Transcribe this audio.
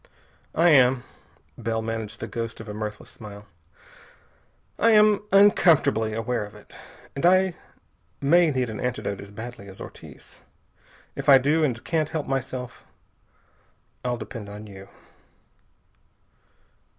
"I am" Bell managed the ghost of a mirthless smile "I am uncomfortably aware of it. And I may need an antidote as badly as Ortiz. If I do, and can't help myself, I'll depend on you."